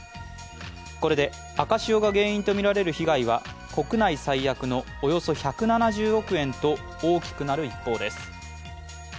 これで赤潮が原因とみられる被害は国内最悪のおよそ１７０億円と大きくなる一方です。